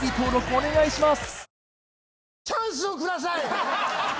お願いします